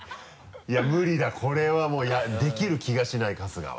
いや無理だこれはもうできる気がしない春日は。